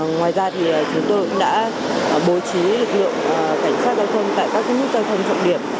ngoài ra thì chúng tôi cũng đã bố trí lực lượng cảnh sát giao thông tại các nút giao thông trọng điểm